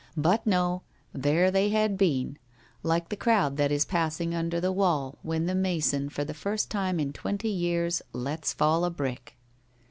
But no; there they had been, like the crowd that is passing under the wall when the mason for the first time in twenty years lets fall a brick.